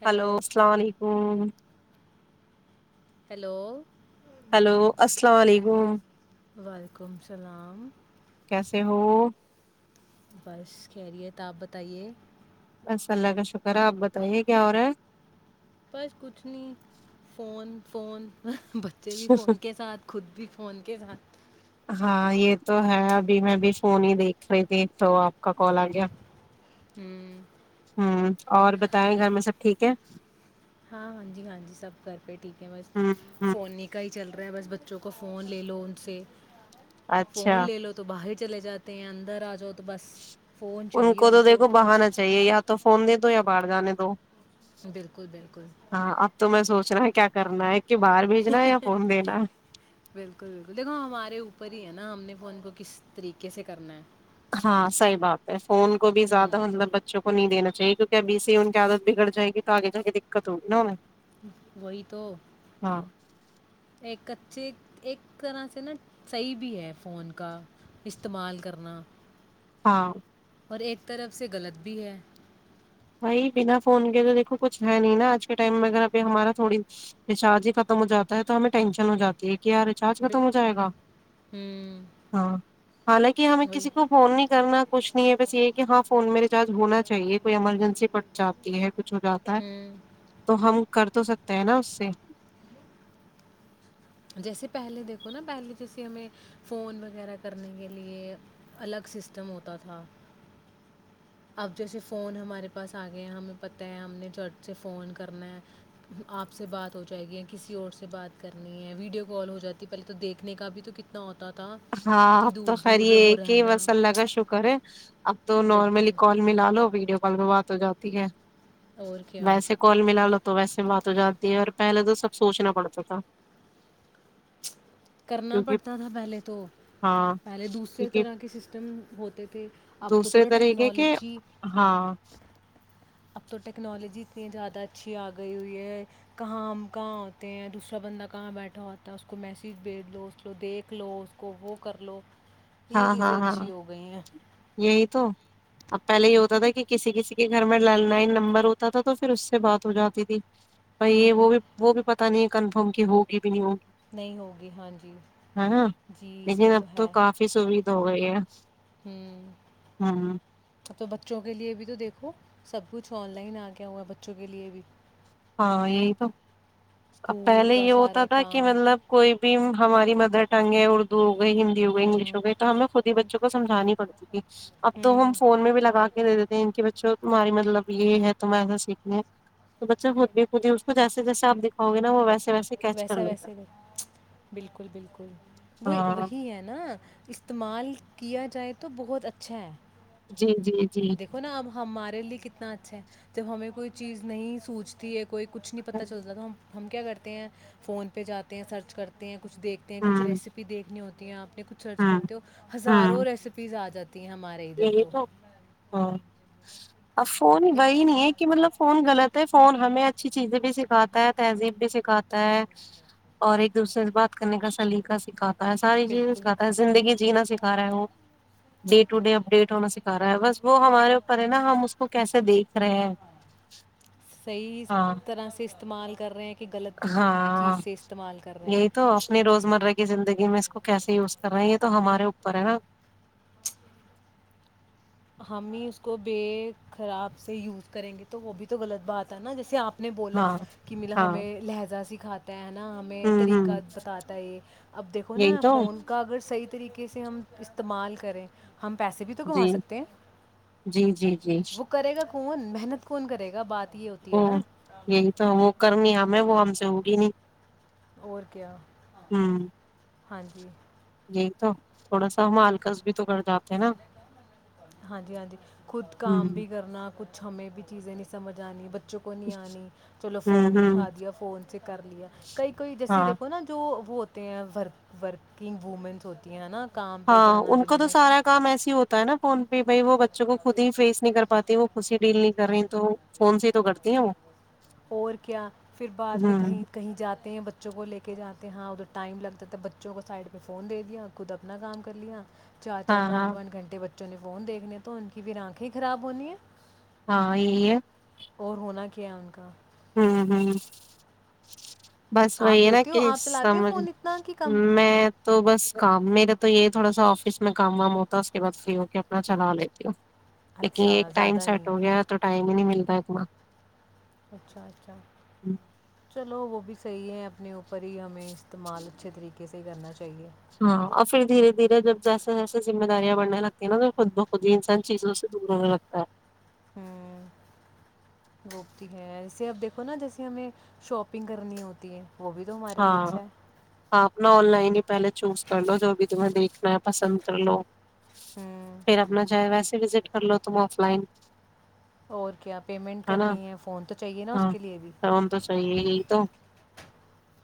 Hello hello السلام علیکم hello hello السلام علیکم وعلیکم السلام کیسے ہو بس کہہ رہی ہے تو آپ بتائیے بس اللہ کا شکر ہے آپ بتائیے کیا اورا پرس کچھ نہیں فون فون بچے بھی فون کے ساتھ خود بھی فون کے ہات ہاں یہ تو ہے ابھی میںب فون ہی دیکھ رہی تھی تو آپ کا کال آ گیا ہمم ہ اور بتائیں گھر میں سب ٹھیک ہے ہاں ہاں جی ہاں جی سب گھر پہ ٹھیک ہے بس ہ ہ فوننے کا ہی چل رہا ہے بس بچوں کو فون لے لو ان سے اچھا فون لے لو تو باہر چلے جاتے ہیں اندر آ ج ان کو تو دیکھو کچھ بہانا چاہیے یا تو فون دے تو یا بڑ جانے دو بالکل بالکل ہاں اب تو میں سوچ رہا ہے کیا کرنا ہے کہ باہر بھیجنا ہے یا فون دینا ہے بالکل بالکل دیکھو ہمارے اوپر ہی ہے نا ہم نے وہ ان کو کس طریقے سے کرنا ہے ہاں صحیح بات ہے فون کو بھی ہوں زیادہ مطلب بچوں کو نہیں دینا چاہی تو کیا اب سے ان کی عادت بھی گڑ جائے گی تو آگے جا کے دقت ہوگی نیں وہی تو ایک چیک ایک طرح سے نا صحیح بھی ہے فون کا استعمال کرنا ہاں اور ایک طرف سے غلط بھی ہے بھائی بنا فون کے تو دیکھو کچھ ہے نہیں نا آج کے ٹائم میں اگر ابھی ہمارا تھوڑی ریچارج ہی ختم ہو جاتا ہے تو ہمیں ٹینشن ہو جاتی ہے کیا ریچارج بے ختم ہو جائے گا ہوں ہاں حالانکہ ہمیں وہی کسی کو فون نہیں کرنا کچھ نہیں ہے بس یہ کہ ہاں فون میں ریچارج ہونا چاہیے کوئی عمل سے پڑچاتی ہے کچ ہو جاتا ہے ہوں تو ہم کر تو سکتے ہیں نا اس سے جیسے پہلے دیکھو نا پہلے جیسے ہمیں فون وغیرہ کرنے کے لئے الگ سسٹم ہوتا تھا اب جیسے فون ہمارے پاس آ گئے ہیں ہمیں پتہ ہے ہم نے جٹ سے فون کرنا ہے آپ سے بات ہو جائے گی کسی اور سے بات کرنی ہے ویڈیو کال ہو جاتی پہلے تو دیکھنے کا بھی تو کتنا ہوتا تھا ہاں اتنی آپ دور تو دور خریے ہو کی رہنا وس اللہگ شو کرے اب تو نارملی بالکل کال ملا لو ویڈیو بلروات ہو جاتی ہے اور کیا ویسے کال ملا لو تو ویسے بات ہو جاتی ہے اور پہلے تو سب سوچنا پڑتا تھا کرنا کیونکہ پڑتا تھا پہلے تو ہاں پہلے دوسرے کیونکہ طرح کے سسٹم ہوتے تھے اب تو دوسرے چلو طریقے کہ ٹیکنالوجی ہاں اب تو ٹیکنالوجی اتنی زیادہ اچھی اگئی ہوئی ہے کہاں ہم کہاں ہوتے ہیں دوسرا بندہ کہاں بیٹھا ہوتا ہے اس کو میسج پیٹ دو تو دیکھ لو اس کو وہ کر لو یہ ہاں ہاں چیزیں ہاں اچھی ہو گئی ہیں یہی تو اب پہلے یہ ہوتا تھا کہ کسی کسی کے گھر میں لینڈ لائن نمبر ہوتا تھا تو پھر اس سے بات ہو جاتی تھی بائی یہ وہ ہوں بھی وہ بھی پت نہیں ہے کن ہم کے ہوگی نہیں نہیں ہوگی ہاں جی جی اس میں تو ہے سوھا ہو گئی ہے ہوں ہوں اب تو بچوں کے لیے بھی تو دیکھو سب کچھ آن لائن آ گیا ہوا ہے بچوں کے لیے بھی ہاں یہی تو ا اسکول پہلے کا یہ ہوتا سارا تھا کہ کام مطلب کوئی بھی ہماری مدر ٹنگ ہے اردو گئی ہندی ہو گئی انگلش ہوں ہو گئی تو ہمیں خود ہی بچوں کو سجھانی پڑتی تھی اب تو وہ ہم ہوں فون میں بھی لگا کےے دیتےے ان کے بچوں کو تہاری مطلب یہی ہے تم ایسا سیکھنے خود بھی خود ہی اس کو جیسے جیس آ دکھاؤ گےا وہ ویے ویسا ویسے بالکل بالکل وہ ہاں وہی ہے نا استعمال کیا جائے تو بہت اچھا ہے جی جی جی دیکھو نا اب ہمارے لیے کتنا اچھا ہے جب ہمیں کوئی چیز نہیں سوچتی ہے کوئی کچھ نہیں ہوں پتا چلتا تھا ہم کیا کرتے ہیں فون پہ جاتے ہیں سرچ کرتے ہیں کچھ دیکتے ہیں کچھ ہوں ریسیپییکنی ہوتی ت آ [inaudible] اپنے کچھ سرچ کرتے ہو ہزاروں ہوں ریسیپیز آ جاتی ہیں ہمارے ادھر یہی تو ہاں ا فون وہی نہیں ہے کہ مطلب فون غلط فون ہمیں اچھی چیزیں بھی سکھاتا ہے تہذیب بھی سکھاتا ہے اور ایک دوسرے سے بات کرنے کا سلیقہ سکھاتا ساری بالکل چیزیںتا ہے زندگی جینا سیک س رہا ہے وہ date [unintelligible] to day update ہونا سکھا رہا ہے بس وہ ہمارے اوپر ہے نا ہم اس کو کیسے دیکھ رہے ہیں صحی ہاں طرح سے استعمال کر رہے ہیں کہ غلط ہاں چیز سے استعمال کر رہے ہیں یہی تو اپنی روزمرہ کی زندگی میں اس کو کیسے یوز کر رہے ہیں یہ تو ہمارے اوپر ہے نا ہم ہی اس کو بے خراب سے یوز کریں گے تو وہ بھی تو غلط بات ہے نا جیسے آپ نے بولا ہاں کہ ملا ہاں ہمیں لہجا س کھاتے ہیں نا ہمیں ہوں ہوں طریقہ بتاتا ہے یہ اب دیکھو یہی نا تو فون کا اگر صحی طریقے سےے ہم استعمال کریں ہم پسے بھی جی توماکتے ہیں جی جی جی وہ کرے گا کون محنت کون کرے گا بات یہ ہوتی وہ ہے نا یہی تو وہ کر گی ہمیں وہ ہم چوگ اور کیا ہوں ہاں جی جی تو تھوڑا سا مالکس بھی تو کرتے ہاں جی ہاں جی خود کام ہوں بھی کرنا ک کچھ ہمیں بھی چیزیں نہیں سمجھ آنی ب بچوں کو نہیں آنی چلو ہوں فون ہوں دکھا دیا فون سے کر لیا کئی کوئی جیسے ہاں دیکھو نا جو وہ ہوتے ہیں ورک ورکنگ وومنس ہوتی ہیں نا کام پہ ہاں جانا ان کا جنہوں تو نے سارا کام ایسے ہی ہوتا ہے نا فون پہ بھائی وہ بچوں کو خود ہی فیس نہیں کر پاتے وہ خود سے ڈیل نہیں کر رہی تو فون سے ہی تو کرتی ہیں وہ اور کیا پھر بعد میں ہوں کہیں کہیں جاتے ہیں بچوں کو لے کے جاتے ہاں ادھر ٹائم لگتا تھا بچوں کو سائڈ پہ فون دے دیا خود اپنا کام کر لیا چار چار ہاں ہاں پانچ پانچ گھٹے بچے بچوں نے فون دیکھنے تو ان کی بھی آنکھیں ہی خراب ہونی ہے ہاں یہ ہے اور ہونا کیا ان کا ہوں ہوں بس آپ وہی نا دیتے کہ ہو آپ چلاتے ہو سمجھ فون اتنا کہ کم میں تو بس کام میرے تو یہ تھوڑا سا آفس میں کام وام ہوتا اس کے بع فری ہو کے اپنا چلا لیتی ہو لیکن اچھا ایک ٹائم زیادہ نہیں سیٹ ہو گیا تو ٹائم نہیں ملتا ایکماں اچھا اچھا چلو وہ بھی صحیح ہیں اپنے اوپر پری ہمیں استعمال اچھے طریے سے ہی کرنا چاہیے ہاں اور پھر دھیرے دھیرے جب جیسے جیسے ذمہ داریاں بڑنے لگتی ہیں نا تو خود بخود ہی انسان چیزوں سے دور ہونے لگتا ہے ہوں گوپتی ہے جے اب دیکھو نا جیسے ہمیں شاپنگ کرنی ہوتی ہے وہ بھی تو ہمارے لیے ہاں اچھا ہے آ اپنا آن لائن ہی پہلے چوز کر لو جو بھی تمہیں دیکھنا ہے پسند کر لو ہوں پھر اپنا چاہے ویسے وزٹ کر لو تم آف لائن اور کیا پیمنٹ کرنی ہے فون تو چاہیے نا اس ہاں کے لیے بھی فون تو چاہیے یہی تو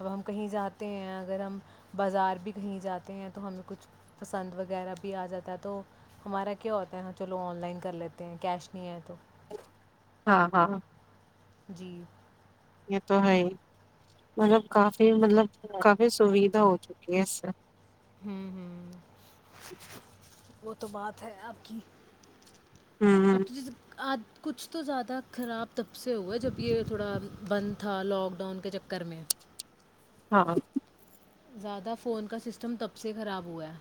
اب ہم کہیں جاتے ہیں اگر ہم بازار بھی کہیں جاتے ہیں تو ہمیں کچھ پسند وغیرہ بھی آ جاتا ہے تو ہمارا کیا ہوتا ہے چلو آن لائن کر لیتے ہیں کیش نہیں ہے تو ہاں ہاں جی یہ تو ہے مطلب کافی مطلب کافی سوھا ہو چکی ہے اس سے ہوں ہوں وہ تو بات ہے اب کی ہوں [unintelligible] کچھ تو زیادہ خراب تب سے ہوا جب یہ تھوڑا بند تھا لاک ڈاؤن کے چکر میں [unintelligible] زیادہ فون کا سسٹم تب سے خراب ہوا ہے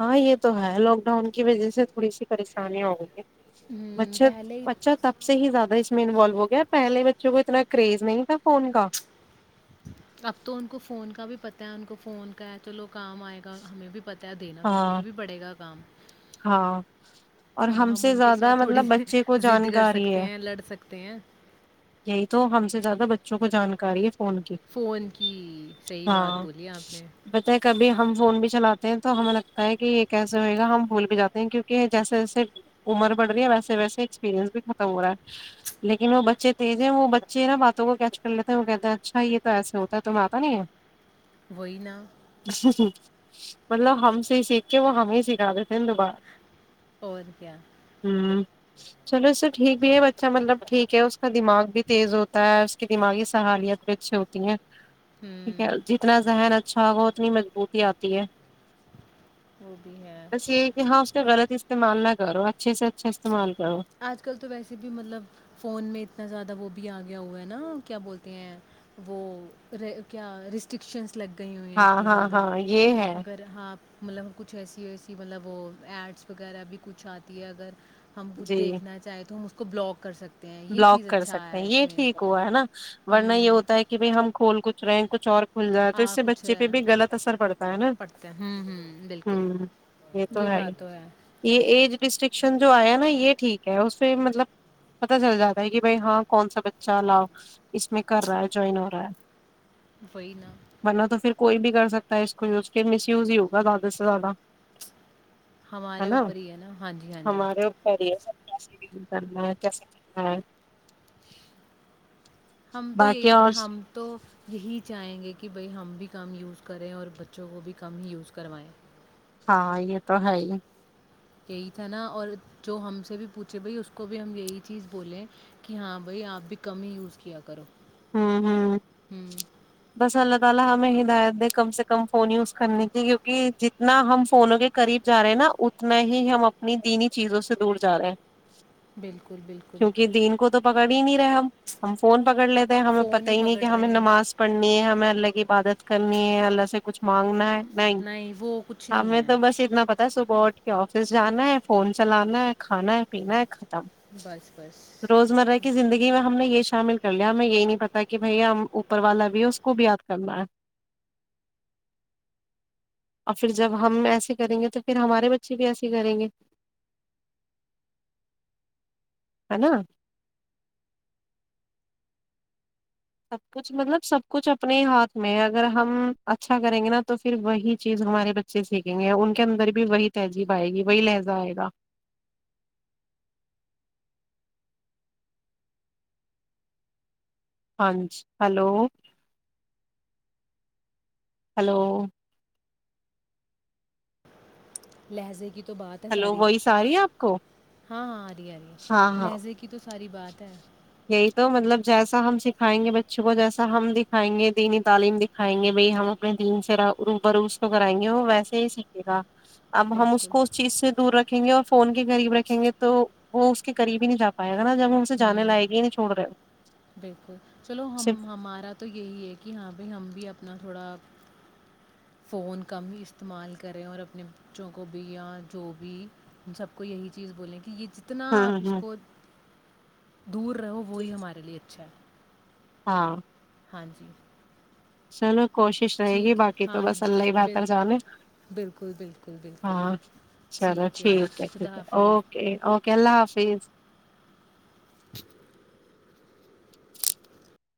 ہاں یہ تو ہے لاک ڈاؤن کی وجہ سے تھوڑی سی پریشانی ہووں گی ہوں، مچھر پہلے ہی- مچر تب سے ہی زیادہ اس میں انوالو ہو گیا پہلے بچوں کو اتنا کریز نہیں تھا فون کا اب تو ان کو فون کا بھی پتا ہے ان کو فون کا ہے تو لوگ کام آئے گا ہمیں بھی پتا دینا تو ہمیں ہاں بھی پڑے گا کام ہاں اور اب ہم سے ان کے زیادہ ساتھ تھوڑی مطلب بچے کو ضد کر جانکاری سکتے ہے ہیں لڑ سکتے ہیں یہی تو ہم سے زیادہ ب وں کو جانکاری ہے فون کی فون کی صحیح بات ہاں بولی آپ نے پت ہے کبھی ہم فون بھی چلاتے ہیں تو ہمیں لگتا ہے کہ یہ کیسے ہوئے گا ہم بھول ک جاتے ہیں کیونکہ جیسے جیسے عمر بڑ رہی ہے ویسے ویسے ایکسپیرنس بھی ختم ہو رہا ہے لیکن وہ بچے تیز ہے وہ بچے نا باتوں کو کیچ کر لیتے ہیں وہ کہتے ہیں اچھا یہ تو ایسے ہوتا ہے تمہیں آتا نہیں وہی نا جی ج مطلب ہم سے سیکھ کے وہ ہمیں سکھا دیتے سند با اور کیا ہوں چلو اس سے ٹھیک بھی ہے بچہ مطلب ٹھیک ہے اس کا دماغ بھی تیز ہوتا ہے اس کی دماغی صحالیت بھی اچھی ہوتی ہے ٹھیک ہوں ہے جتنا ذہن اچھا ہوگا اتنی مضبوط آتی ہے وہ بھی ہے بس یہی ہے کہ ہاں اس کا غلط استعمال نہ کرو اچھے سے اچھے استعمال کرو آج کل تو ویسے بھی مطلب فون میں اتنا زیادہ وہ بھی آ گیا ہوا ہے نا کیا بولتے ہیں وہ کیا ریسٹرکشنس لگ گئی ہوئی ہیں ہاں اتنی ہاں زیادہ ہاں یہ ہے اگر ہاں مطلب کچھ ایسی ہو کہ مطلب وہ ایڈس وغیرہ بھی کچھ آتی ہے اگر ہم خ جی دیکھنا چاہے تو م بلاک کر سکتے ہیں یہ چیز بلاک کر اچھا سکتے ہے ہیں اس یہ میں ٹھیک ہوا ہے نا ورنہ یہ ہوں ہوتا ہے کہ بھائی ہم کھول کچ رینٹ کچ اور کھل جائے تو اس آ سے کچھ بچے پہ رہا ہے بھی غلط اثر پڑتا ہے نا پڑھتے ہیں ہوں ہوں بالکل ہ یہ تو ہے یہ ایج ڈسٹکشن جو آیا نا یہ ٹھیک ہے اس پ مطلب پت چل جاتا ہے کہ بھائی ہاں کون سا بچہ اؤ اس میں کر رہا ہے جوائن ہو رہا ہے وہ ن ورنہ تو پھر کوئی بھی کر سکتا ہے اس کو ز کے مس یوز ہی ہوگا زیادہ سے زیادہ ہے ہمارے نا اوپر ہی ہے ہاں جی ہاں جی ہمارے اری [inaudible] ہاں [inaudible] ہم تو باقی یہی اور ہم تو یہی چاہیں گے کہ بھائی ہم بھی کم یوز کریں اور بچوں کو بھی ککم ہی یوز کروائیں ہاں یہ تو ہے ہی یہی تھا نا اور جو ہم سے بھی پوچھے بھائی اس کو بھی ہم یہی چیز بولیں کہ ہاں بھائی آپ بھی کم ہی یوز کیا کرو ہاں ہوں ہوں بسلہ تالا ہمیں ہدایت دیں کم سے کم فون یوز کرنے کی کیونکہ جتنا ہم فونوں کے قریب جا رہے ہیں نا اتنا ہی ہم اپنی دینی چیزوں سے دور جا رہے ہیں بالکل بالکل پکڑی نہیں ہم فون پکڑ لیتے ہمیں فون پت ہی نہیں کہ پکڑ رہے ہمیں ہیں نماز پڑھنی ہے ہمیں اللہ اللہ کی عبادت کرنی ہے اللہ سے کچھ مانگنا ہے نہیں وہ کچھ نہیں ہمیں ہے تو بس اتنا پتا س بورڈ کے آفس جانا ہے فون چلانا ہے کھانا ہے پینا ہے بس بس روز مرہ کی زندگی میں ہم نے یہ شامل کریا یں یہی نہیں پتا کہ بھائی ہم اوپر والا بھی ہے اس کو بھی یاد کرنا ہے اور پھر جب ہم ایسے کریں گے تو پھر ہمارے بچے بھی ایسے کریں گے ہے نا سب کچھ مطلب سب کچھ اپنے ہی ہاتھ میں اگر ہم اچھا کریں گے نا تو پھر وہی چیز ہمارے بچے سیکھیں گے ان کے اندر بھی وہی تہذیب آئے گی وہی لہجہ آئے گا ہاں ج ہلو ہلو لہذے کی تو بات ہے ہلو ساری وہی س رہی ہے آپ کو ہاں ہاں آ رہی ہے ہاں ہاں لہذے کی تو ساری بات ہے یہی تو مطلب جیسا ہم سکھائیں گے بچوں کو جیسا ہم دکھائیں گے دینی تعلیم دکھائیں گے بھائی ہم اپنے دین سے بروس کو کرائیں گے وہ ویسے ہی سیکھے گا اب ہم اس بالکل کو اس چیز سے دور رکھیں گے اور فون کے قریب رکھیں گے تو وہ اس کے قریب ہی نہیں جا پایا گ نا جب ان سے جانے ہوں لائقے ہی نہیں چوڑ رہے ہو بالکل چلو ہم ہمارا تو یہی ہے کہ ہاں بھائی ہم بھی اپنا تھوڑا فون کم استعمال کریں اور اپنے بچوں کو بھی یا جو بھی ان سب کو یہی چیز بولیں کہ یہ جتنا ہاں آپ اس ہاں کو دور رہو وہی ہمارے لیے ہے۔ ہاں ہاں جی سلو کوشش رہے گی ٹھیک، باقی تو ہاں بس اللہ ہی بل بہتر جانانے بالکل، بالکل، بالکل، ہاں چلو ٹھیک اوکے، ہے ٹھیک خدا ہے حافظ۔ اوکے اوکے اللہ حافظ [inaudible]